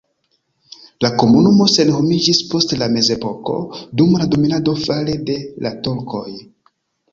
La komunumo senhomiĝis post la mezepoko dum la dominado fare de la turkoj.